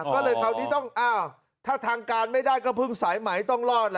ก็เลยคราวนี้ต้องอ้าวถ้าทางการไม่ได้ก็เพิ่งสายไหมต้องรอดล่ะ